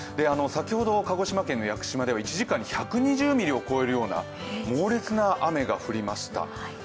先ほど鹿児島の屋久島では１時間に１２０ミリを越えるような猛烈な雨が降りました。